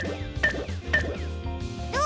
どう？